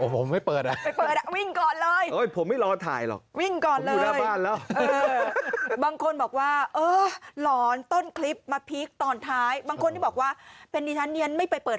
อ๋อพี่ไม่เปิดไปเแปดนะวิ่งก่อนเลยอุ๊ยผมไม่รอถ่ายหรอกวิ่งก่อนเลย